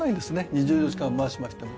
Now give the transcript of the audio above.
２４時間回しましても。